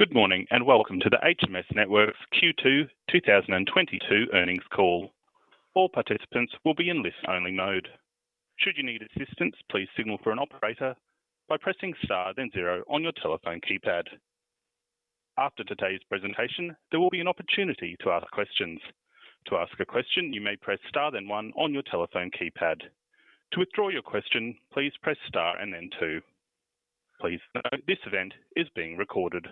Good morning and welcome to the HMS Networks' Q2 2022 earnings call. All participants will be in listen-only mode. Should you need assistance, please signal for an operator by pressing star then zero on your telephone keypad. After today's presentation, there will be an opportunity to ask questions. To ask a question, you may press star then one on your telephone keypad. To withdraw your question, please press star and then two. Please note this event is being recorded.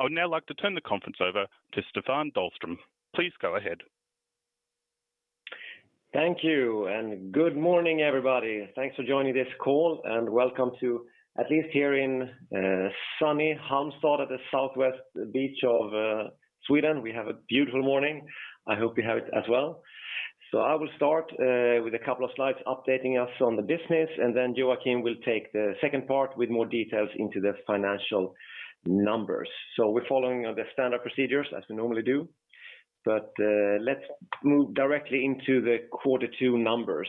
I would now like to turn the conference over to Staffan Dahlström. Please go ahead. Thank you and good morning, everybody. Thanks for joining this call and welcome to at least here in sunny Halmstad at the southwest beach of Sweden. We have a beautiful morning. I hope you have it as well. I will start with a couple of slides updating us on the business, and then Joakim will take the second part with more details into the financial numbers. We're following the standard procedures as we normally do. Let's move directly into the quarter two numbers.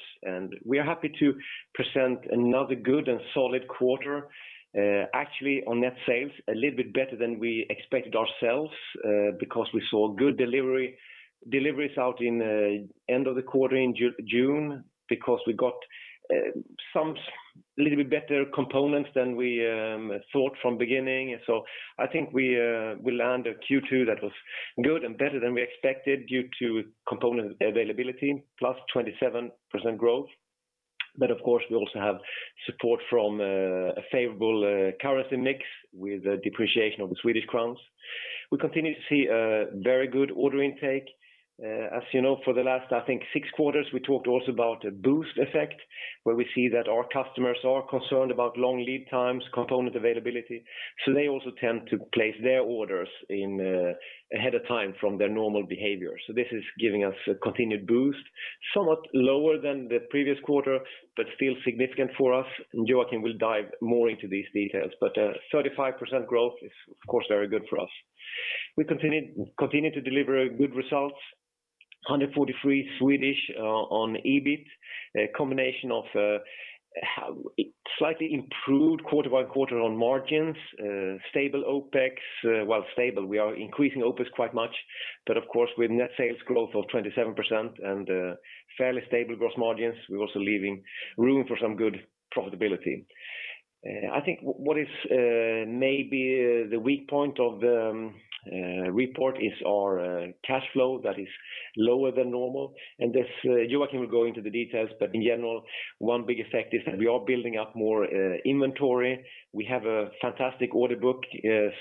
We are happy to present another good and solid quarter, actually on net sales a little bit better than we expected ourselves, because we saw good deliveries out in the end of the quarter in June, because we got some little bit better components than we thought from beginning. I think we landed a Q2 that was good and better than we expected due to component availability, +27% growth. Of course, we also have support from a favorable currency mix with a depreciation of the Swedish krona. We continue to see a very good order intake. As you know, for the last, I think six quarters, we talked also about a boost effect, where we see that our customers are concerned about long lead times, component availability. They also tend to place their orders ahead of time from their normal behavior. This is giving us a continued boost, somewhat lower than the previous quarter, but still significant for us. Joakim will dive more into these details, but 35% growth is of course very good for us. We continue to deliver good results. 143 on EBIT, a combination of slightly improved quarter by quarter on margins, stable OpEx, we are increasing OpEx quite much. Of course, with net sales growth of 27% and fairly stable gross margins, we're also leaving room for some good profitability. I think what is maybe the weak point of the report is our cash flow that is lower than normal. Joakim, will go into the details, but in general, one big effect is that we are building up more inventory. We have a fantastic order book,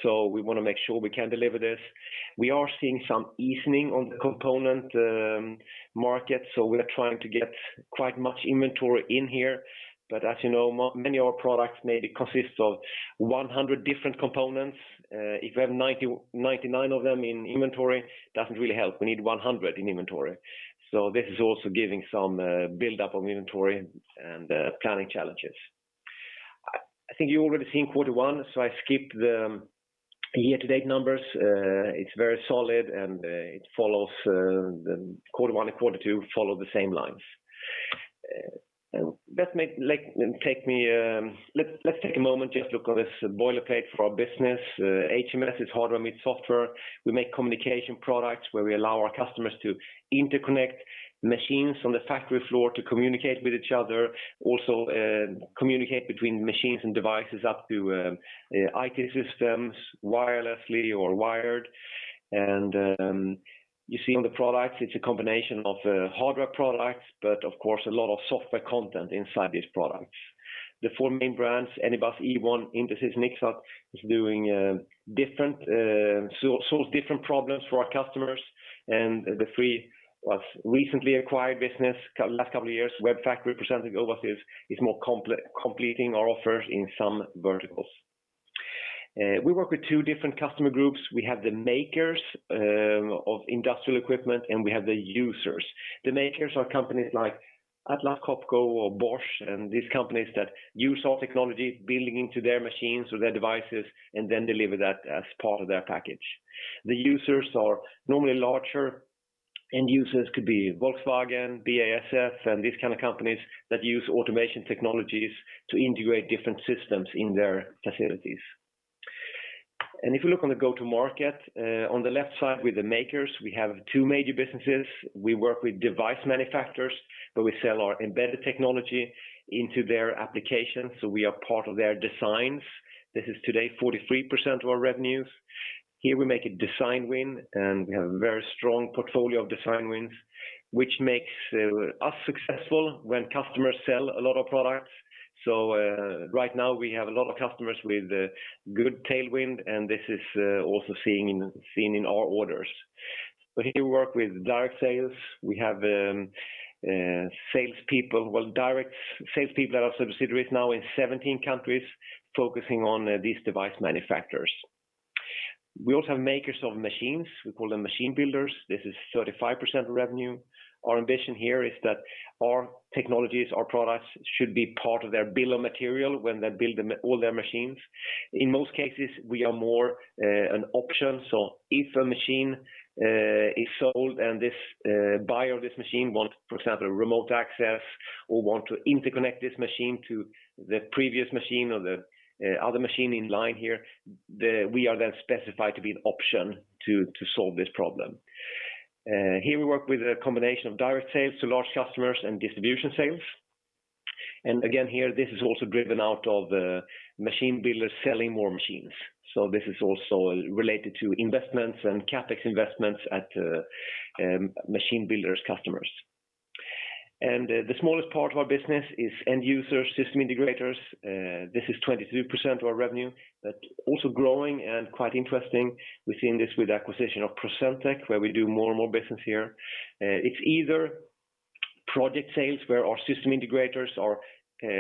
so we want to make sure we can deliver this. We are seeing some easing on the component market, so we are trying to get quite much inventory in here. As you know, many of our products maybe consists of 100 different components. If we have 99 of them in inventory, it doesn't really help. We need 100 in inventory. This is also giving some buildup of inventory and planning challenges. I think you've already seen quarter one, so I skipped the year-to-date numbers. It's very solid and it follows, the quarter one and quarter two follow the same lines. Let's take a moment just look on this boilerplate for our business. HMS is Hardware Meets Software. We make communication products where we allow our customers to interconnect machines on the factory floor to communicate with each other, also communicate between machines and devices up to IT systems wirelessly or wired. You see on the products, it's a combination of hardware products, but of course, a lot of software content inside these products. The four main brands, Anybus, Ewon, Intesis, Ixxat, solve different problems for our customers. The three were recently acquired businesses in the last couple of years. WebFactory is more complementing our offers in some verticals. We work with two different customer groups. We have the makers of industrial equipment, and we have the users. The makers are companies like Atlas Copco or Bosch, and these companies that use our technology building into their machines or their devices, and then deliver that as part of their package. The users are normally larger end users, could be Volkswagen, BASF, and these kind of companies that use automation technologies to integrate different systems in their facilities. If you look on the go-to-market, on the left side with the makers, we have two major businesses. We work with device manufacturers, but we sell our embedded technology into their applications, so we are part of their designs. This is today 43% of our revenues. Here we make a design win, and we have a very strong portfolio of design wins, which makes us successful when customers sell a lot of products. Right now we have a lot of customers with a good tailwind, and this is also seen in our orders. But here we work with direct sales. We have sales people, well, direct sales people that are subsidiaries now in 17 countries focusing on these device manufacturers. We also have makers of machines. We call them machine builders. This is 35% revenue. Our ambition here is that our technologies, our products should be part of their bill of material when they build all their machines. In most cases, we are more an option. If a machine is sold and this buyer of this machine wants, for example, remote access or want to interconnect this machine to the previous machine or the other machine in line here, we are then specified to be an option to solve this problem. Here we work with a combination of direct sales to large customers and distribution sales. Again, here, this is also driven out of machine builders selling more machines. This is also related to investments and CapEx investments at machine builders customers. The smallest part of our business is end users, system integrators. This is 22% of our revenue. That's also growing and quite interesting within this with acquisition of Procentec, where we do more and more business here. It's either project sales where our system integrators are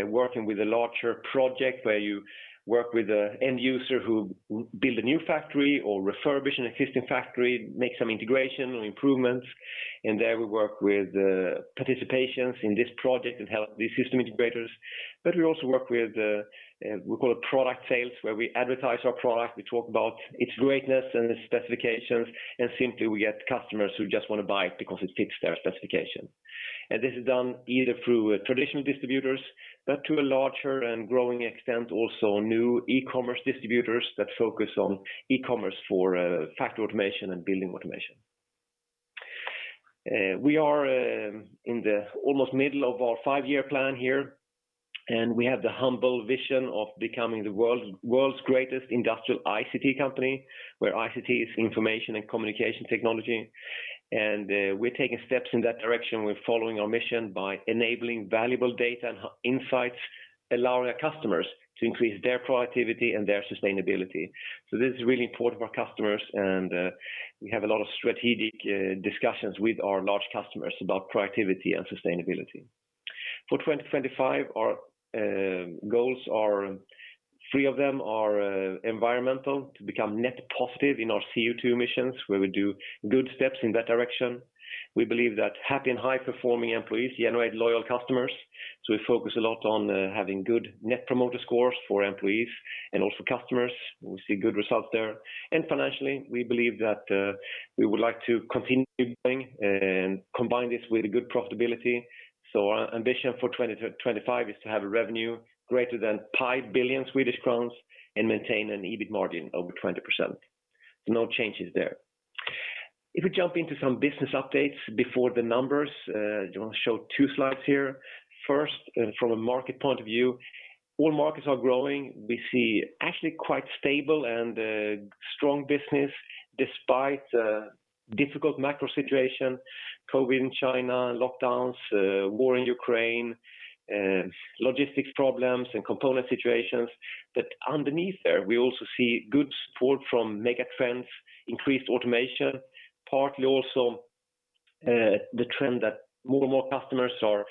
working with a larger project where you work with an end user who build a new factory or refurbish an existing factory, make some integration or improvements. There we work with participations in this project and help the system integrators. We also work with, we call it product sales, where we advertise our product, we talk about its greatness and the specifications, and simply we get customers who just wanna buy it because it fits their specification. This is done either through traditional distributors, but to a larger and growing extent, also new e-commerce distributors that focus on e-commerce for factory automation and building automation. We are in the almost middle of our five-year plan here, and we have the humble vision of becoming the world's greatest industrial ICT company, where ICT is information and communication technology. We're taking steps in that direction. We're following our mission by enabling valuable data and insights, allowing our customers to increase their productivity and their sustainability. This is really important for our customers, and we have a lot of strategic discussions with our large customers about productivity and sustainability. For 2025, our goals are, three of them are environmental to become net positive in our CO2 emissions, where we do good steps in that direction. We believe that happy and high-performing employees generate loyal customers, so we focus a lot on having good Net Promoter Score for employees and also customers. We see good results there. Financially, we believe that we would like to continue growing and combine this with good profitability. Our ambition for 2025 is to have a revenue greater than 5 billion Swedish crowns and maintain an EBIT margin over 20%. No changes there. If we jump into some business updates before the numbers, I wanna show two slides here. First, from a market point of view, all markets are growing. We see actually quite stable and strong business despite difficult macro situation, COVID in China, lockdowns, war in Ukraine, logistics problems and component situations. Underneath there, we also see good support from mega trends, increased automation, partly also, the trend that more and more customers are,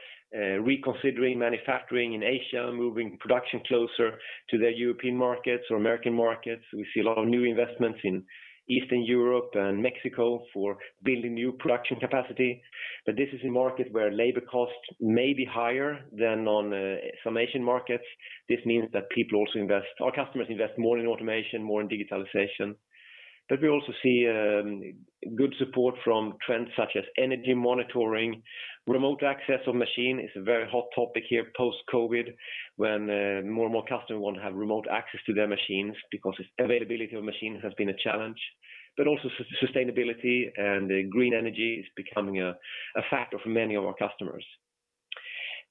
reconsidering manufacturing in Asia, moving production closer to their European markets or American markets. We see a lot of new investments in Eastern Europe and Mexico for building new production capacity. This is a market where labor costs may be higher than on, some Asian markets. This means that people also invest, our customers invest more in automation, more in digitalization. We also see, good support from trends such as energy monitoring. Remote access of machine is a very hot topic here post-COVID, when, more and more customers want to have remote access to their machines because its availability of machines has been a challenge. Sustainability and green energy is becoming a factor for many of our customers.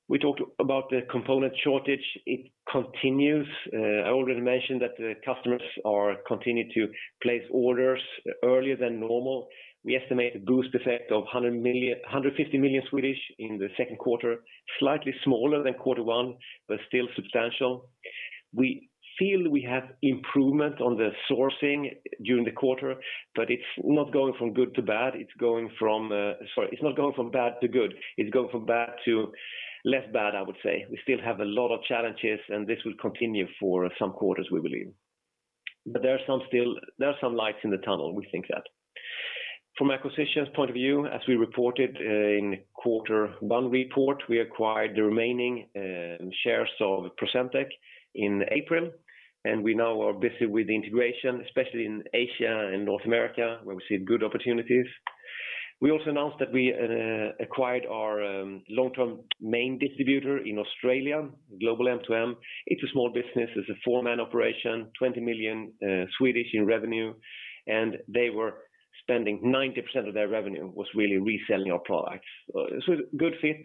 We talked about the component shortage. It continues. I already mentioned that the customers are continuing to place orders earlier than normal. We estimate a boost effect of 100 million-150 million in the second quarter, slightly smaller than quarter one, but still substantial. We feel we have improvement on the sourcing during the quarter, but it's not going from good to bad. Sorry, it's not going from bad to good. It's going from bad to less bad, I would say. We still have a lot of challenges, and this will continue for some quarters, we believe. There are some lights in the tunnel, we think that. From acquisitions point of view, as we reported in quarter one report, we acquired the remaining shares of Procentec in April, and we now are busy with the integration, especially in Asia and North America, where we see good opportunities. We also announced that we acquired our long-term main distributor in Australia, Global M2M. It's a small business. It's a four-man operation, 20 million in revenue, and they were spending 90% of their revenue was really reselling our products. So it's a good fit.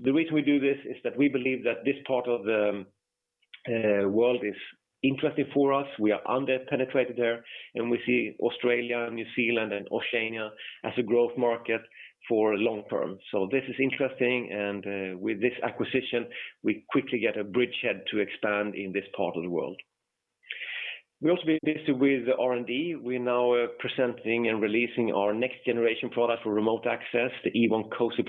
The reason we do this is that we believe that this part of the world is interesting for us. We are under-penetrated there, and we see Australia, New Zealand and Oceania as a growth market for long term. This is interesting, with this acquisition, we quickly get a bridgehead to expand in this part of the world. We'll also be busy with R&D. We're now presenting and releasing our next generation product for remote access, the Ewon Cosy+,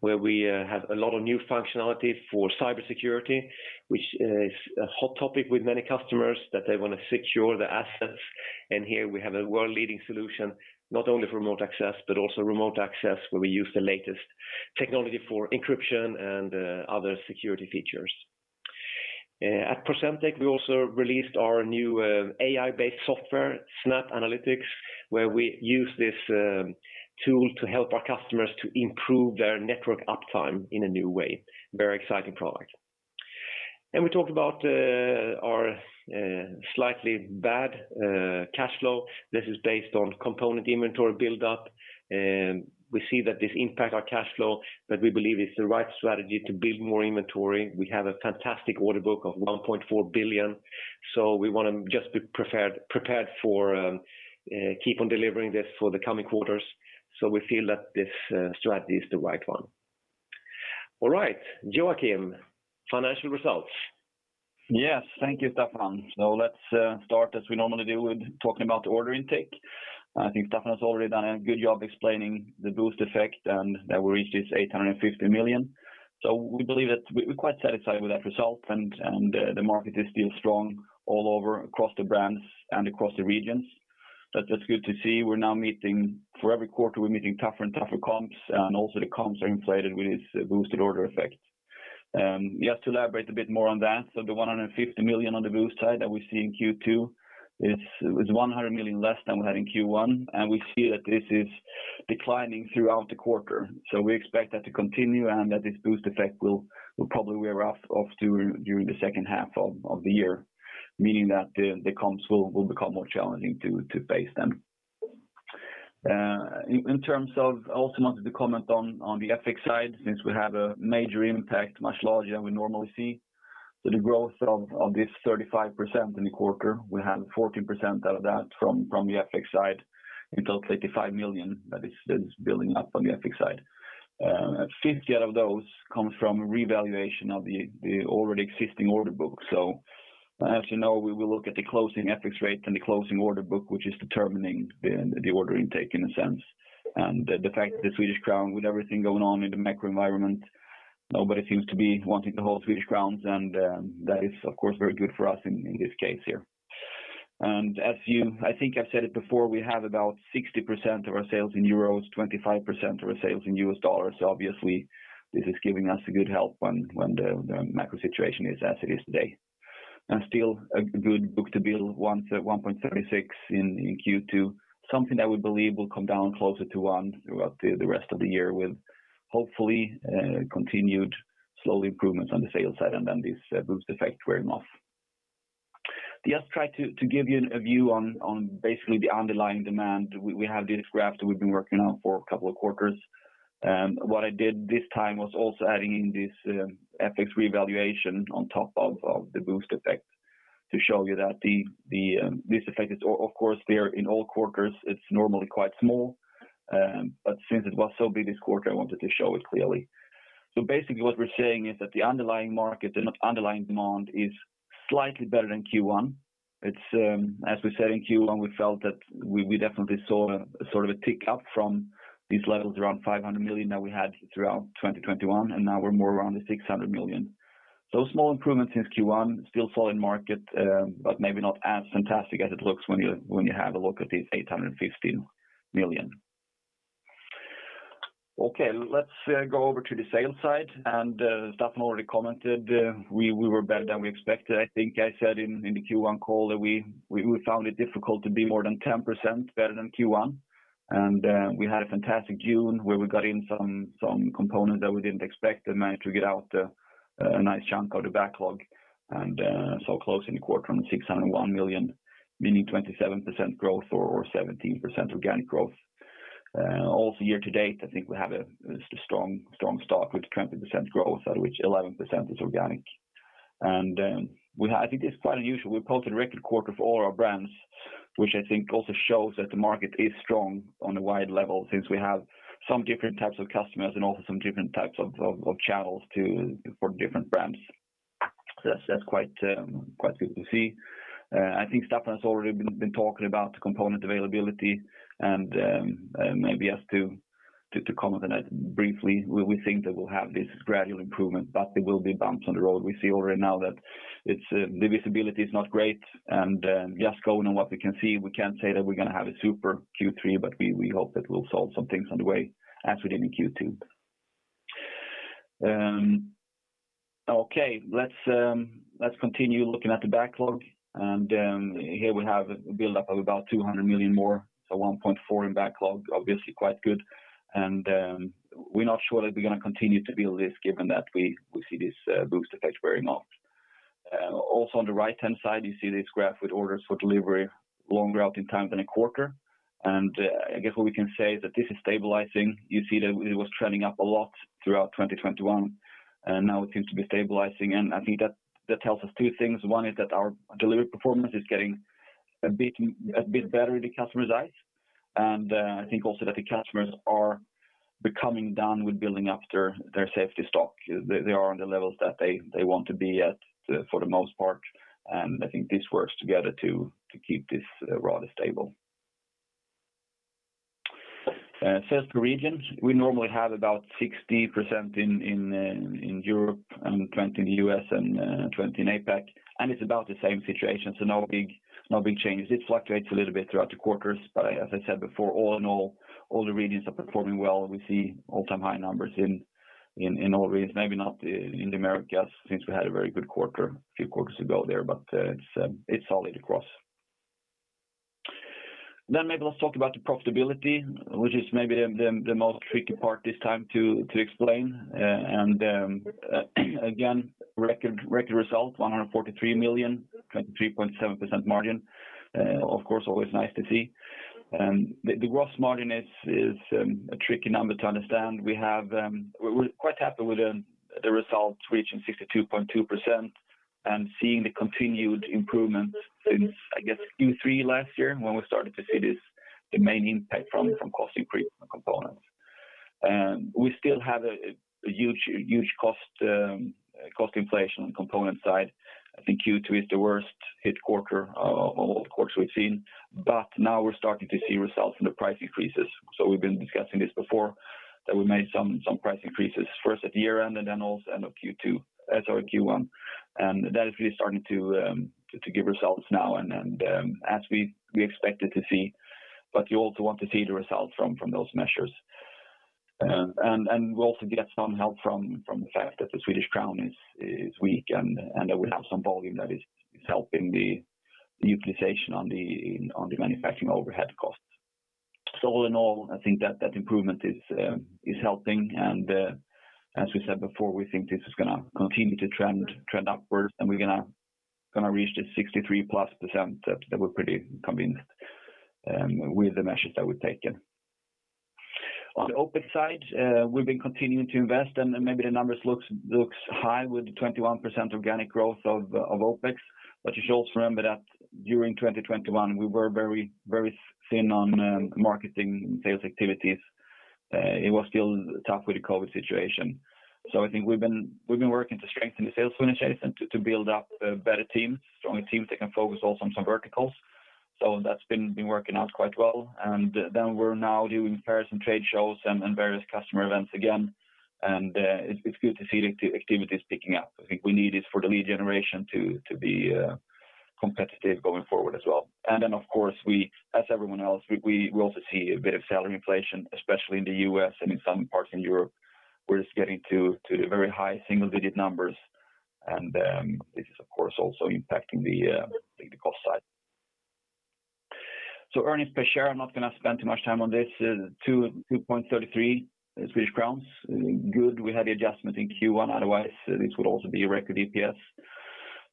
where we have a lot of new functionality for cybersecurity, which is a hot topic with many customers that they wanna secure their assets. Here we have a world-leading solution, not only for remote access, but also remote access, where we use the latest technology for encryption and other security features. At Procentec, we also released our new AI-based software, Snap Analytics, where we use this tool to help our customers to improve their network uptime in a new way. Very exciting product. We talked about our slightly bad cash flow. This is based on component inventory build up. We see that this impact our cash flow, but we believe it's the right strategy to build more inventory. We have a fantastic order book of 1.4 billion, so we wanna just be prepared to keep on delivering this for the coming quarters. We feel that this strategy is the right one. All right. Joakim, financial results. Yes. Thank you, Staffan. Let's start as we normally do with talking about the order intake. I think Staffan has already done a good job explaining the boost effect and that we reached this 850 million. We believe that we're quite satisfied with that result, and the market is still strong all over across the brands and across the regions. That's just good to see. We're now meeting. For every quarter, we're meeting tougher and tougher comps, and also the comps are inflated with this boosted order effect. Just to elaborate a bit more on that, the 150 million on the boost side that we see in Q2 is 100 million less than we had in Q1, and we see that this is declining throughout the quarter. We expect that to continue and that this boost effect will probably wear off during the second half of the year, meaning that the comps will become more challenging to face then. In terms of also not to comment on the FX side, since we have a major impact, much larger than we normally see. The growth of this 35% in the quarter, we have 14% out of that from the FX side. In total, 85 million that is building up on the FX side. 50 million of those come from revaluation of the already existing order book. As you know, we will look at the closing FX rate and the closing order book, which is determining the order intake in a sense. The fact that the Swedish krona with everything going on in the macro environment, nobody seems to be wanting to hold Swedish krona, and that is of course very good for us in this case here. As you, I think I've said it before, we have about 60% of our sales in euros, 25% of our sales in US dollars. Obviously this is giving us a good help when the macro situation is as it is today. Still a good book-to-bill 1.36 in Q2, something that we believe will come down closer to one throughout the rest of the year with hopefully continued slow improvements on the sales side and then this boost effect wearing off. Just try to give you a view on basically the underlying demand. We have this graph that we've been working on for a couple of quarters. What I did this time was also adding in this FX revaluation on top of the boost effect to show you that this effect is of course there in all quarters. It's normally quite small, but since it was so big this quarter, I wanted to show it clearly. Basically what we're saying is that the underlying market and underlying demand is slightly better than Q1. It's as we said in Q1, we felt that we definitely saw a sort of a tick up from these levels around 500 million that we had throughout 2021, and now we're more around the 600 million. Small improvements since Q1 still falling market, but maybe not as fantastic as it looks when you have a look at these 850 million. Okay. Let's go over to the sales side. Staffan already commented, we were better than we expected. I think I said in the Q1 call that we found it difficult to be more than 10% better than Q1. We had a fantastic June where we got in some component that we didn't expect and managed to get out a nice chunk of the backlog and so close in the quarter on the 601 million, meaning 27% growth or 17% organic growth. Also year-to-date, I think we have a strong start with 20% growth, out of which 11% is organic. I think it's quite unusual. We posted a record quarter for all our brands, which I think also shows that the market is strong on a wide level since we have some different types of customers and also some different types of channels for different brands. That's quite good to see. I think Staffan has already been talking about the component availability. Maybe just to comment on that briefly, we think that we'll have this gradual improvement, but there will be bumps on the road. We see already now that the visibility is not great. Just going on what we can see, we can't say that we're gonna have a super Q3, but we hope that we'll solve some things on the way as we did in Q2. Okay. Let's continue looking at the backlog. Here we have a buildup of about 200 million more, so 1.4 billion in backlog, obviously quite good. We're not sure that we're gonna continue to build this given that we see this boost effect wearing off. Also on the right-hand side, you see this graph with orders for delivery longer out in time than a quarter. I guess what we can say is that this is stabilizing. You see that it was trending up a lot throughout 2021, and now it seems to be stabilizing. I think that tells us two things. One is that our delivery performance is getting a bit better in the customer's eyes. I think also that the customers are becoming done with building up their safety stock. They are on the levels that they want to be at, for the most part. I think this works together to keep this rather stable. Sales per region, we normally have about 60% in Europe and 20% in the U.S. and 20% in APAC, and it's about the same situation. No big changes. It fluctuates a little bit throughout the quarters, but as I said before, all in all the regions are performing well. We see all-time high numbers in all regions. Maybe not in the Americas since we had a very good quarter a few quarters ago there, but it's solid across. Maybe let's talk about the profitability, which is maybe the most tricky part this time to explain. Again, record result 143 million, 23.7% margin. Of course, always nice to see. The gross margin is a tricky number to understand. We're quite happy with the results reaching 62.2% and seeing the continued improvement since I guess Q3 last year when we started to see the main impact from cost increase on components. We still have a huge cost inflation on component side. I think Q2 is the worst hit quarter of all the quarters we've seen. Now we're starting to see results in the price increases. We've been discussing this before, that we made some price increases first at year-end, and then also end of Q1. That is really starting to give results now and then, as we expected to see. You also want to see the results from those measures. We also get some help from the fact that the Swedish krona is weak, and that we have some volume that is helping the utilization on the manufacturing overhead costs. All in all, I think that improvement is helping. As we said before, we think this is gonna continue to trend upwards, and we're gonna reach the 63%+ that we're pretty convinced with the measures that we've taken. On the OpEx side, we've been continuing to invest, and maybe the numbers looks high with the 21% organic growth of OpEx, but you should also remember that during 2021, we were very thin on marketing sales activities. It was still tough with the COVID situation. I think we've been working to strengthen the sales function to build up a better team, stronger team that can focus also on some verticals. That's been working out quite well. We're now doing fairs and trade shows and various customer events again, and it's good to see the activity is picking up. I think we need it for the lead generation to be competitive going forward as well. Of course, we, as everyone else, also see a bit of salary inflation, especially in the U.S. and in some parts in Europe. We're just getting to the very high single-digit numbers. This is of course also impacting the cost side. Earnings per share, I'm not gonna spend too much time on this. 2.33 krona. Good. We had the adjustment in Q1, otherwise this would also be a record EPS.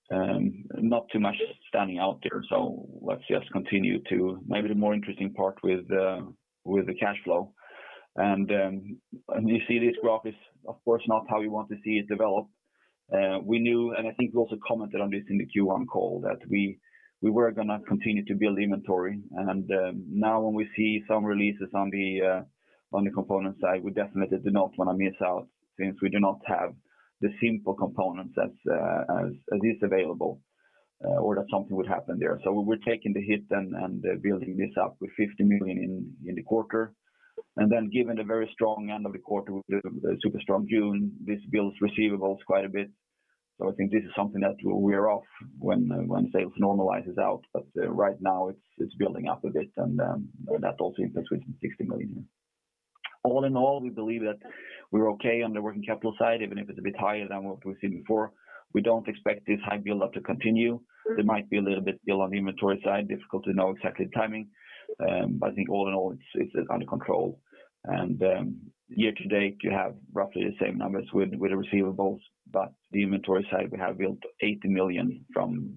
Not too much standing out there. Let's just continue to maybe the more interesting part with the cash flow. You see this graph is of course not how we want to see it develop. We knew, and I think we also commented on this in the Q1 call, that we were gonna continue to build inventory. Now when we see some releases on the component side, we definitely do not want to miss out since we do not have the simple components as is available, or that something would happen there. We're taking the hit and building this up with 50 million in the quarter. Then given the very strong end of the quarter with the super strong June, this builds receivables quite a bit. I think this is something that we're aware of when sales normalizes out. Right now it's building up a bit and that also impacts with 60 million. All in all, we believe that we're okay on the working capital side, even if it's a bit higher than what we've seen before. We don't expect this high build-up to continue. There might be a little bit build-up on the inventory side. Difficult to know exactly the timing. I think all in all, it's under control. Year-to-date, you have roughly the same numbers with the receivables. On the inventory side, we have built 80 million from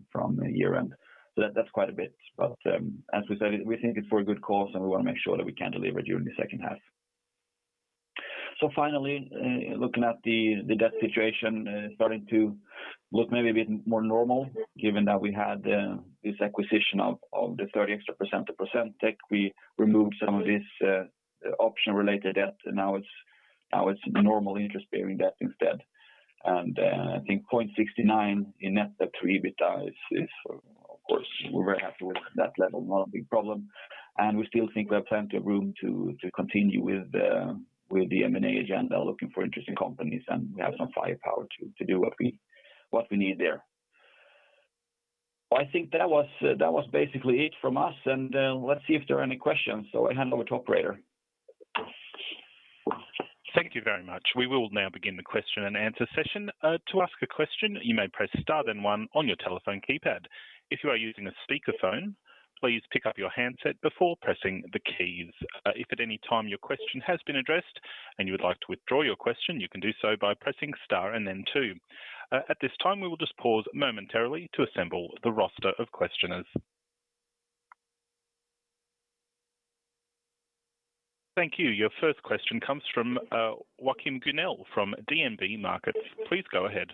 year-end. That's quite a bit. As we said, we think it's for a good cause, and we want to make sure that we can deliver during the second half. Finally, looking at the debt situation, starting to look maybe a bit more normal given that we had this acquisition of the extra 30% of Procentec. We removed some of this option related debt, and now it's normal interest bearing debt instead. I think 0.69 in net debt to EBITDA is of course we're very happy with that level, not a big problem. We still think we have plenty of room to continue with the M&A agenda, looking for interesting companies, and we have some firepower to do what we need there. I think that was basically it from us. Let's see if there are any questions. I hand over to operator. Thank you very much. We will now begin the question-and-answer session. To ask a question, you may press star then one on your telephone keypad. If you are using a speakerphone, please pick up your handset before pressing the keys. If at any time your question has been addressed and you would like to withdraw your question, you can do so by pressing star and then two. At this time, we will just pause momentarily to assemble the roster of questioners. Thank you. Your first question comes from Joachim Gunell from DNB Markets. Please go ahead.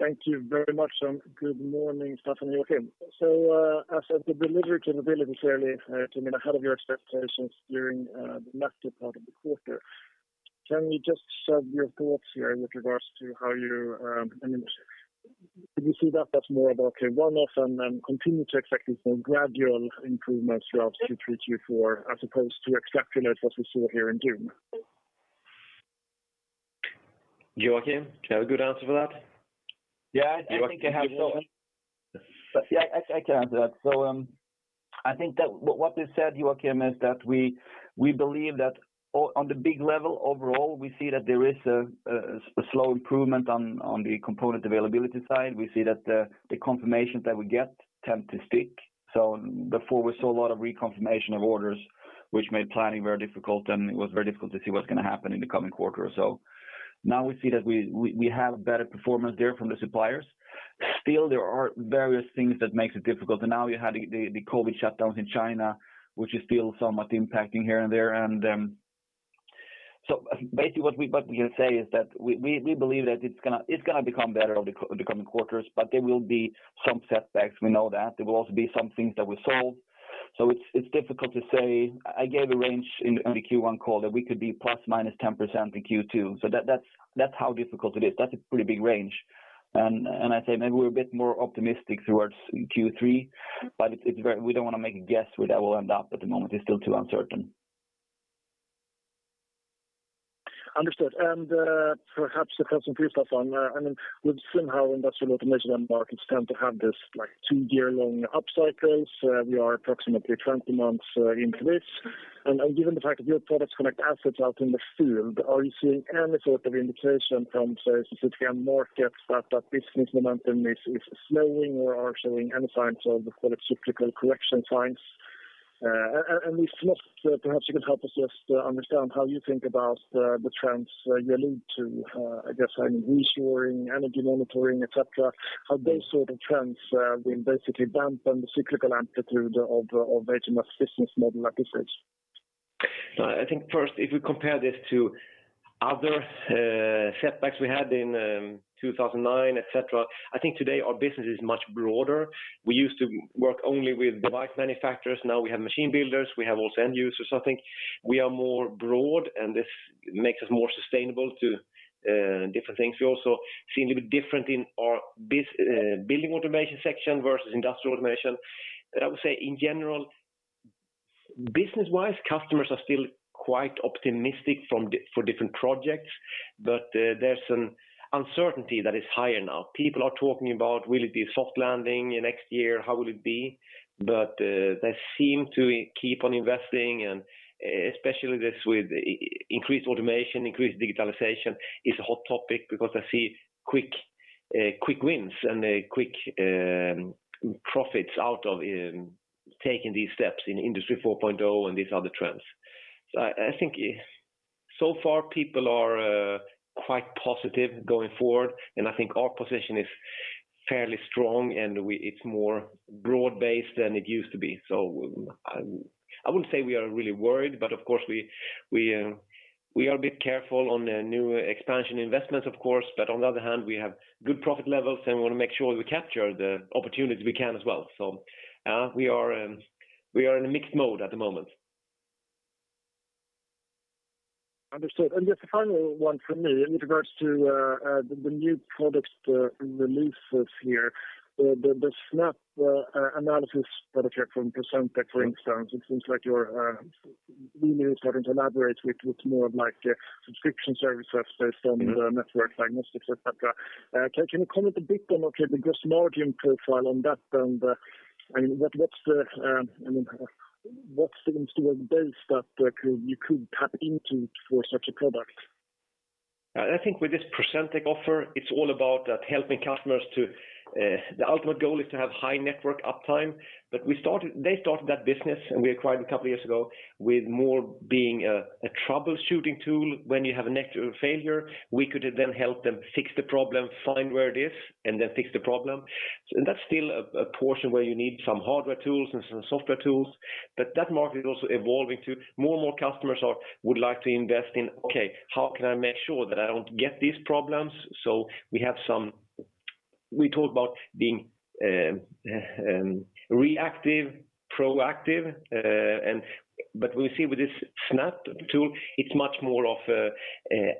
Thank you very much and good morning Staffan and Joakim. As I said, the delivery capability clearly came in ahead of your expectations during the latter part of the quarter. Can you just share your thoughts here with regards to how you, I mean, do you see that that's more of okay, one-off and then continue to expect this more gradual improvement throughout Q2, Q3, Q4 as opposed to exceptional as what we saw here in June? Joakim, do you have a good answer for that? Yeah, I think I have- Joakim, you want to- Yeah, I can answer that. I think that what we said, Joachim, is that we believe that on the big level overall, we see that there is a slow improvement on the component availability side. We see that the confirmations that we get tend to stick. Before we saw a lot of reconfirmation of orders, which made planning very difficult, and it was very difficult to see what's gonna happen in the coming quarter or so. Now we see that we have better performance there from the suppliers. Still, there are various things that makes it difficult. Now you had the COVID shutdowns in China, which is still somewhat impacting here and there. Basically what we can say is that we believe that it's gonna become better over the coming quarters, but there will be some setbacks. We know that. There will also be some things that we solve. It's difficult to say. I gave a range in the Q1 call that we could be ±10% in Q2. That's how difficult it is. That's a pretty big range. I say maybe we're a bit more optimistic towards Q3, but we don't wanna make a guess where that will end up at the moment. It's still too uncertain. Understood. Perhaps to throw some free stuff on, I mean, with somehow industrial automation end markets tend to have this like two-year long upcycles. We are approximately 20 months into this. Given the fact that your products connect assets out in the field, are you seeing any sort of indication from, say, specific end markets that business momentum is slowing or are showing any signs of the cyclical correction signs? With Snap, perhaps you could help us just understand how you think about the trends you allude to, I guess, I mean, reshoring, energy monitoring, et cetera. How those sort of trends will basically dampen the cyclical amplitude of HMS business model, like you said? No, I think first, if we compare this to other setbacks we had in 2009, et cetera, I think today our business is much broader. We used to work only with device manufacturers. Now we have machine builders. We have also end users, I think. We are more broad, and this makes us more sustainable to different things. We also seem to be different in our building automation section versus industrial automation, but I would say in general, business-wise, customers are still quite optimistic for different projects, but there's an uncertainty that is higher now. People are talking about will it be a soft landing next year? How will it be? They seem to keep on investing, and especially this with increased automation, increased digitalization is a hot topic because I see quick wins and quick profits out of taking these steps in Industry 4.0 and these other trends. I think so far people are quite positive going forward, and I think our position is fairly strong, and it's more broad-based than it used to be. I wouldn't say we are really worried, but of course, we are a bit careful on the new expansion investments, of course. On the other hand, we have good profit levels, and we wanna make sure we capture the opportunities we can as well. We are in a mixed mode at the moment. Understood. Just a final one from me in regard to the new product releases here. The Snap Analytics product from Procentec, for instance, it seems like you're really starting to elaborate with more of like a subscription service based on the network diagnostics, et cetera. Can you comment a bit on the gross margin profile on that? I mean, what's the base that you could tap into for such a product? I think with this Procentec offer, it's all about helping customers to the ultimate goal is to have high network uptime. They started that business, and we acquired it a couple of years ago, with it more being a troubleshooting tool. When you have a network failure, we could then help them fix the problem, find where it is, and then fix the problem. That's still a portion where you need some hardware tools and some software tools. That market is also evolving to more and more customers would like to invest in, "Okay, how can I make sure that I don't get these problems?" We have some. We talk about being reactive, proactive. We see with this Snap tool, it's much more of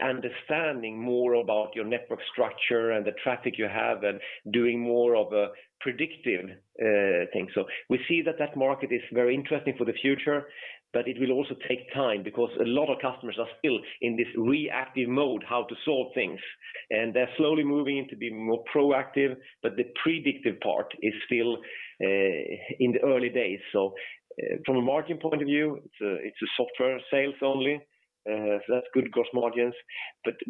understanding more about your network structure and the traffic you have and doing more of a predictive thing. We see that market is very interesting for the future, but it will also take time because a lot of customers are still in this reactive mode, how to solve things. They're slowly moving to be more proactive, but the predictive part is still in the early days. From a margin point of view, it's a software sales only, so that's good gross margins.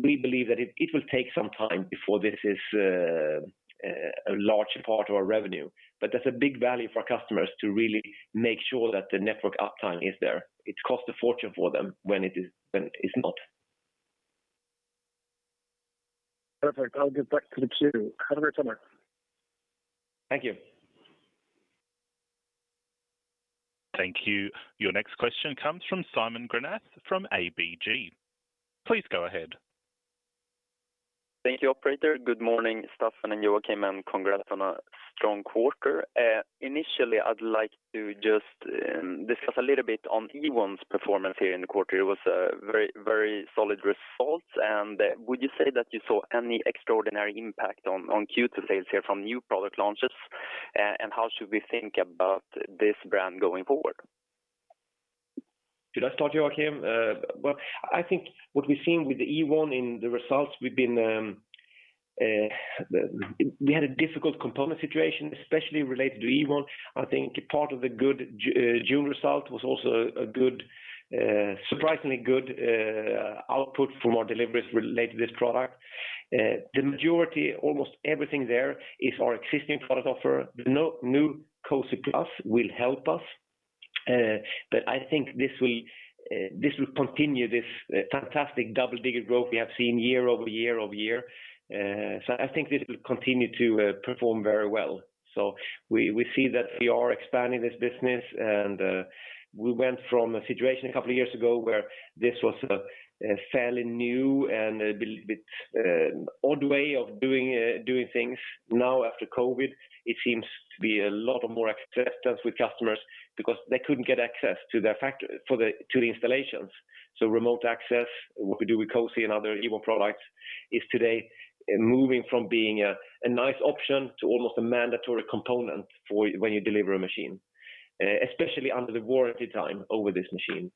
We believe that it will take some time before this is a large part of our revenue. That's a big value for our customers to really make sure that the network uptime is there. It costs a fortune for them when it's not. Perfect. I'll get back to the queue. Have a great summer. Thank you. Thank you. Your next question comes from Simon Granath from ABG. Please go ahead. Thank you, operator. Good morning, Staffan and Joakim, and congrats on a strong quarter. Initially, I'd like to just discuss a little bit on Ewon's performance here in the quarter. It was a very, very solid result. Would you say that you saw any extraordinary impact on Q2 sales here from new product launches? How should we think about this brand going forward? Should I start, Joakim? Well, I think what we've seen with the Ewon in the results, we've been the—we had a difficult component situation, especially related to Ewon. I think part of the good June result was also a surprisingly good, output from our deliveries related to this product. The majority, almost everything there is our existing product offer. The new Cosy+ will help us, but I think this will continue this fantastic double-digit growth we have seen year over year over year. I think this will continue to perform very well. We see that we are expanding this business and we went from a situation a couple of years ago where this was a fairly new and a little bit odd way of doing things. Now, after COVID, it seems to be a lot more acceptance with customers because they couldn't get access to their factories to the installations. Remote access, what we do with Cosy and other Ewon products is today moving from being a nice option to almost a mandatory component for when you deliver a machine, especially under the warranty time over this machine.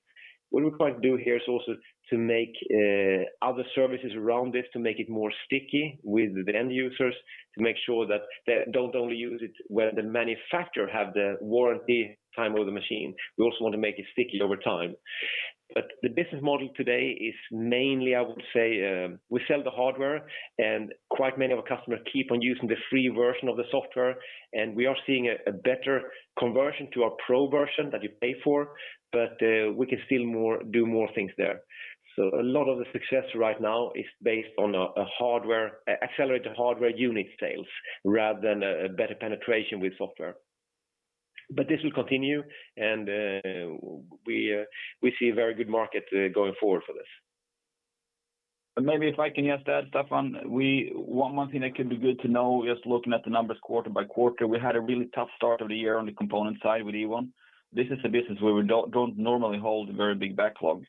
What we're trying to do here is also to make other services around this to make it more sticky with the end users, to make sure that they don't only use it when the manufacturer have the warranty time of the machine. We also want to make it sticky over time. The business model today is mainly, I would say, we sell the hardware and quite many of our customers keep on using the free version of the software, and we are seeing a better conversion to our pro version that you pay for, but we can still do more things there. A lot of the success right now is based on a hardware-accelerated hardware unit sales rather than a better penetration with software. This will continue and we see a very good market going forward for this. Maybe if I can just add, Staffan, one thing that could be good to know, just looking at the numbers quarter-by-quarter, we had a really tough start of the year on the component side with Ewon. This is a business where we don't normally hold a very big backlog.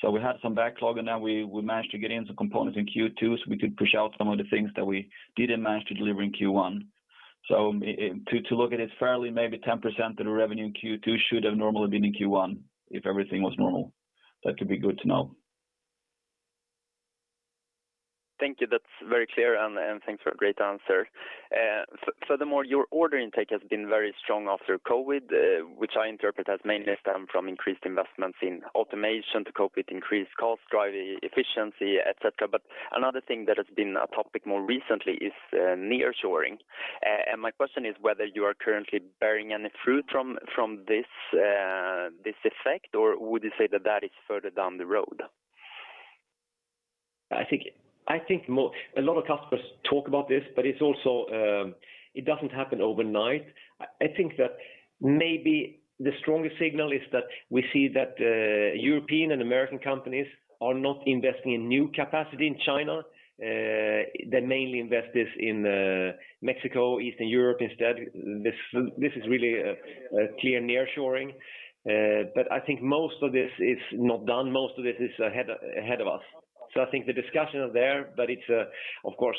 So we had some backlog, and now we managed to get in some components in Q2, so we could push out some of the things that we didn't manage to deliver in Q1. To look at it fairly, maybe 10% of the revenue in Q2 should have normally been in Q1 if everything was normal. That could be good to know. Thank you. That's very clear, and thanks for a great answer. Furthermore, your order intake has been very strong after COVID, which I interpret has mainly stemmed from increased investments in automation to cope with increased cost, driving efficiency, et cetera. Another thing that has been a topic more recently is nearshoring. My question is whether you are currently bearing any fruit from this effect, or would you say that is further down the road? I think a lot of customers talk about this, but it's also, it doesn't happen overnight. I think that maybe the strongest signal is that we see that European and American companies are not investing in new capacity in China. They mainly invest this in Mexico, Eastern Europe instead. This is really a clear nearshoring. I think most of this is not done. Most of this is ahead of us. I think the discussions are there, but it's of course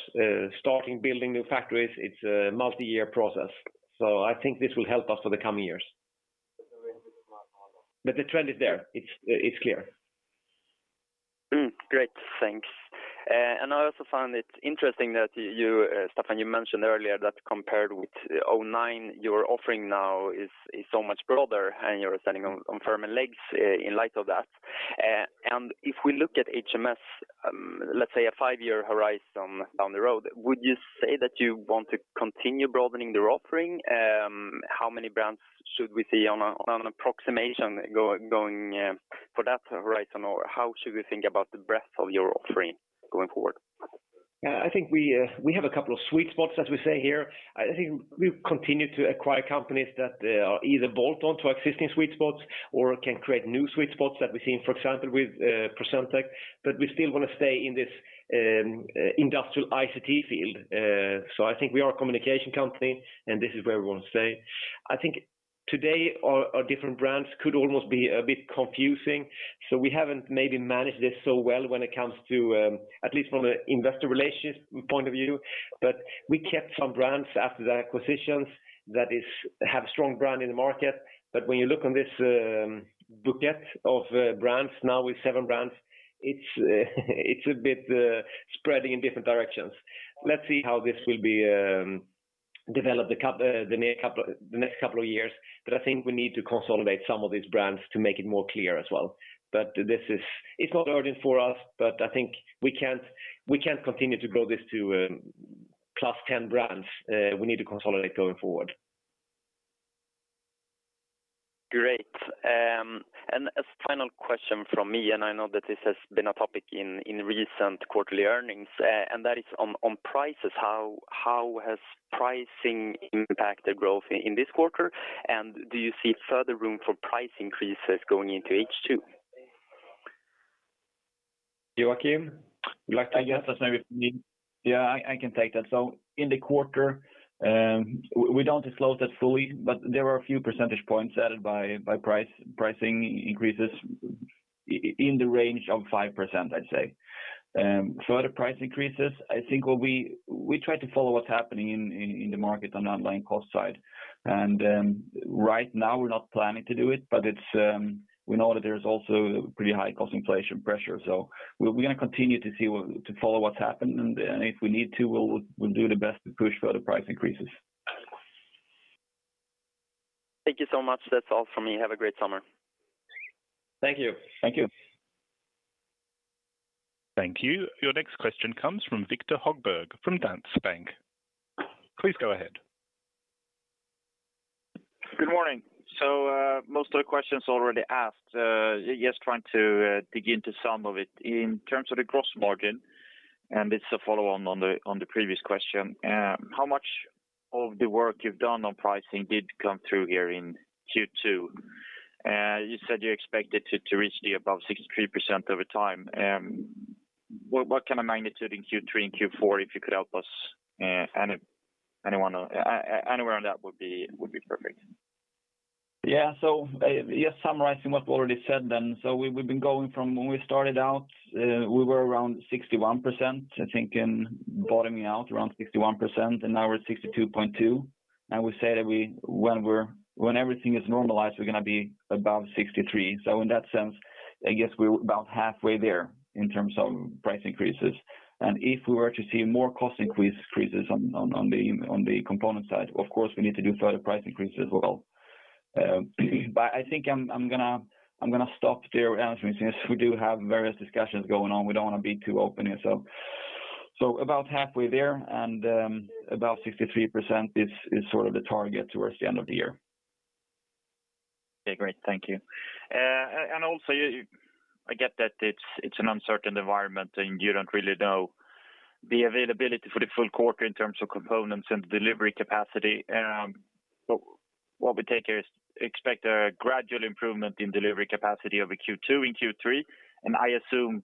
starting building new factories, it's a multi-year process. I think this will help us for the coming years. The trend is there, it's clear. Great. Thanks. I also found it interesting that you, Staffan, mentioned earlier that compared with 2009, your offering now is so much broader and you're standing on firmer legs in light of that. If we look at HMS, let's say a five-year horizon down the road, would you say that you want to continue broadening your offering? How many brands should we see on an approximation going for that horizon or how should we think about the breadth of your offering going forward? Yeah. I think we have a couple of sweet spots, as we say here. I think we'll continue to acquire companies that either bolt on to our existing sweet spots or can create new sweet spots that we've seen, for example, with Procentec. We still wanna stay in this industrial ICT field. I think we are a communication company, and this is where we want to stay. I think today our different brands could almost be a bit confusing. We haven't maybe managed this so well when it comes to at least from an investor relations point of view. We kept some brands after the acquisitions that have strong brand in the market. When you look on this bouquet of brands now with seven brands, it's a bit spreading in different directions. Let's see how this will be developed the next couple of years. I think we need to consolidate some of these brands to make it more clear as well. This is not urgent for us, but I think we can't continue to grow this to +10 brands. We need to consolidate going forward. Great. As final question from me, I know that this has been a topic in recent quarterly earnings, and that is on prices. How has pricing impacted growth in this quarter and do you see further room for price increases going into H2? Joakim, would you like to I guess that's maybe for me, yeah, I can take that. In the quarter, we don't disclose that fully, but there are a few percentage points added by price pricing increases in the range of 5%, I'd say. Further price increases, I think we try to follow what's happening in the market on the underlying cost side. Right now we're not planning to do it, but it's we know that there's also pretty high cost inflation pressure. We're gonna continue to follow what's happening. If we need to, we'll do the best to push for the price increases. Thank you so much. That's all from me. Have a great summer. Thank you. Thank you. Thank you. Your next question comes from Viktor Högberg from Danske Bank. Please go ahead. Good morning. Most of the questions already asked, just trying to dig into some of it. In terms of the gross margin, and it's a follow on the previous question, how much of the work you've done on pricing did come through here in Q2? You said you expected to reach above 63% over time. What kind of magnitude in Q3 and Q4, if you could help us? Anywhere on that would be perfect. Yeah. Just summarizing what we already said then. We've been going from when we started out, we were around 61%, I think, in bottoming out around 61%, and now we're at 62.2. We say that when everything is normalized, we're gonna be above 63. In that sense, I guess we're about halfway there in terms of price increases. If we were to see more cost increases on the component side, of course, we need to do further price increases as well, but I think I'm gonna stop there since we do have various discussions going on, we don't wanna be too open here. About halfway there and about 63% is sort of the target towards the end of the year. Okay, great. Thank you. I get that it's an uncertain environment, and you don't really know the availability for the full quarter in terms of components and delivery capacity. What we take here is expect a gradual improvement in delivery capacity over Q2 and Q3. I assume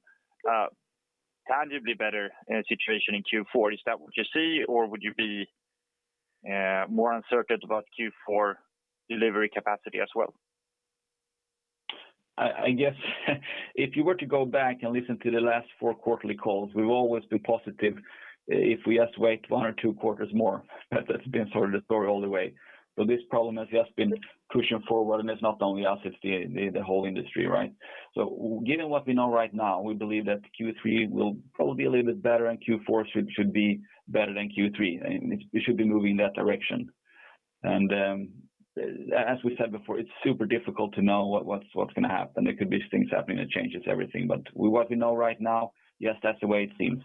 tangibly better situation in Q4. Is that what you see or would you be more uncertain about Q4 delivery capacity as well? I guess if you were to go back and listen to the last four quarterly calls, we've always been positive if we just wait one or two quarters more. That's been sort of the story all the way. This problem has just been pushing forward, and it's not only us, it's the whole industry, right? Given what we know right now, we believe that Q3 will probably be a little bit better, and Q4 should be better than Q3. It should be moving in that direction. As we said before, it's super difficult to know what's gonna happen. There could be things happening that changes everything. With what we know right now, yes, that's the way it seems.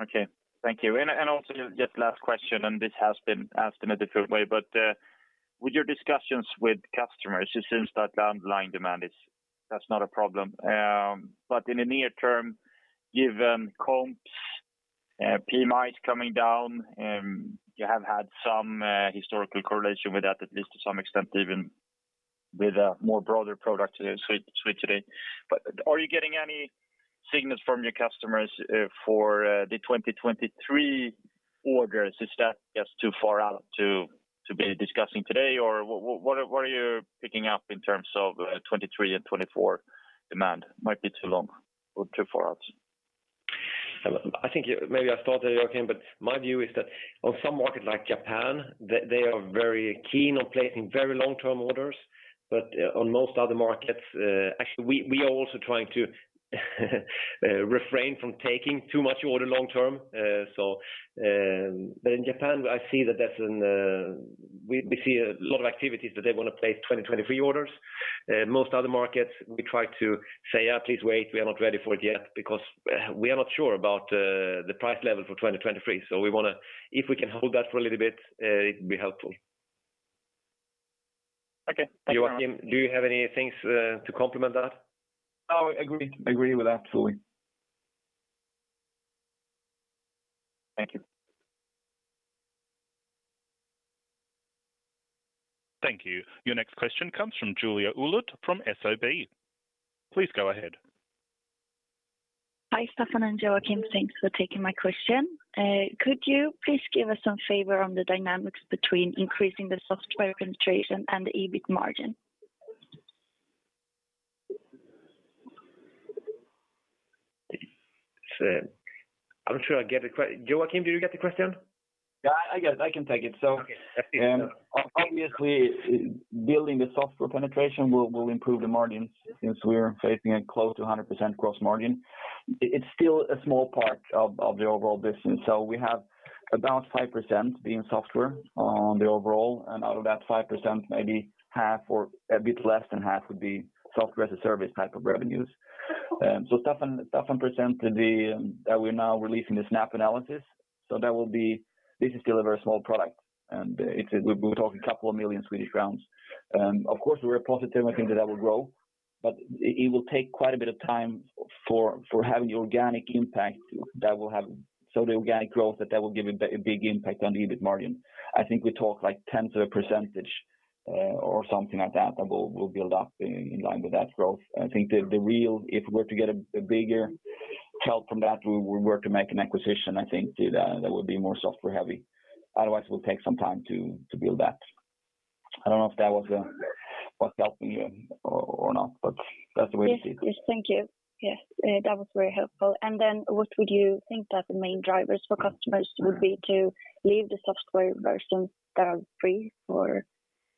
Okay. Thank you. Also just last question, and this has been asked in a different way, but with your discussions with customers, it seems that underlying demand is not a problem, but in the near term, given comps, PMIs coming down, you have had some historical correlation with that, at least to some extent, even with a broader product suite. But are you getting any signals from your customers for the 2023 orders? Is that just too far out to be discussing today or what are you picking up in terms of 2023 and 2024 demand? Might be too long or too far out. I think maybe I'll start here, Joakim, but my view is that on some markets like Japan, they are very keen on placing very long-term orders. On most other markets, actually, we are also trying to refrain from taking too many orders long-term. In Japan, I see that that's. We see a lot of activities that they want to place 2023 orders. Most other markets, we try to say, "Please wait, we are not ready for it yet," because we are not sure about the price level for 2023. We wanna, if we can hold that for a little bit, it'd be helpful. Okay. Joakim, do you have any thoughts to complement that? No, I agree with that, absolutely. Thank you. Thank you. Your next question comes from Julia Utbult from SEB. Please go ahead. Hi, Staffan and Joakim. Thanks for taking my question. Could you please give us some flavor on the dynamics between increasing the software concentration and the EBIT margin? I'm not sure I get the question. Joakim Gunell, did you get the question? Yeah, I get it. I can take it. Okay. Obviously, building the software penetration will improve the margin since we are facing close to a 100% gross margin. It's still a small part of the overall business. We have about 5% being software on the overall. Out of that 5%, maybe half or a bit less than half would be software as a service type of revenues. Staffan Dahlström presented that we're now releasing the Snap Analytics. This is still a very small product, and we're talking a couple of million Swedish Krona. Of course, we're positive and think that will grow, but it will take quite a bit of time for having the organic impact that will have. The organic growth that will give a big impact on the EBIT margin. I think we talk like tenths of a percentage or something like that that will build up in line with that growth. I think the real if we're to get a bigger tailwind, that we were to make an acquisition, I think that would be more software-heavy. Otherwise, it will take some time to build that. I don't know if that was helping you or not, but that's the way we see it. Yes. Yes. Thank you. Yes. That was very helpful. What would you think that the main drivers for customers would be to leave the software versions that are free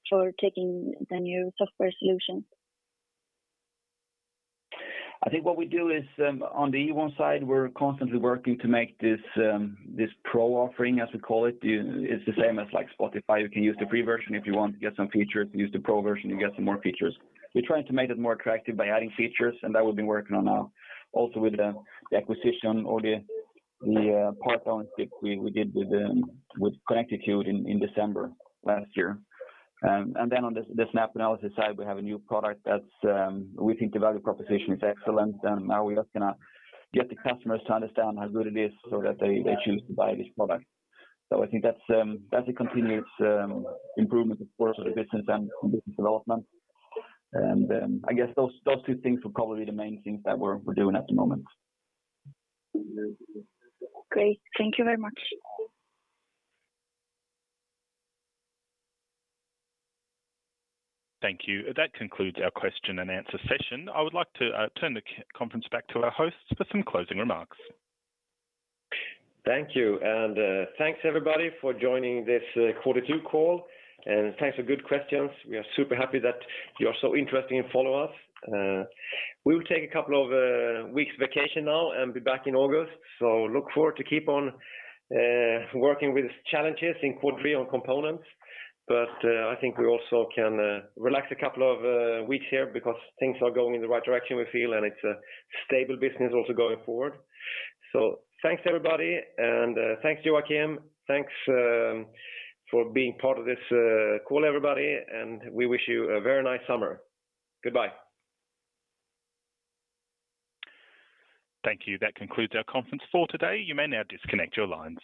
for taking the new software solution? I think what we do is, on the Ewon side, we're constantly working to make this pro offering, as we call it. It's the same as, like, Spotify. You can use the free version. If you want to get some features, use the pro version, you get some more features. We're trying to make it more attractive by adding features, and that we've been working on also with the acquisition or the part-ownership we did with Connectitude in December last year. Then on the Snap Analytics side, we have a new product that's we think the value proposition is excellent, and now we're just gonna get the customers to understand how good it is so that they choose to buy this product. I think that's a continuous improvement of course for the business and business development. I guess those two things are probably the main things that we're doing at the moment. Great. Thank you very much. Thank you. That concludes our question-and-answer session. I would like to turn the conference back to our hosts for some closing remarks. Thank you. Thanks everybody for joining this quarter two call, and thanks for good questions. We are super happy that you are so interested and follow us. We will take a couple of weeks vacation now and be back in August. Look forward to keep on working with challenges in quarter three on components. I think we also can relax a couple of weeks here because things are going in the right direction, we feel, and it's a stable business also going forward. Thanks, everybody, and thanks Joakim. Thanks for being part of this call, everybody, and we wish you a very nice summer. Goodbye. Thank you. That concludes our conference for today. You may now disconnect your lines.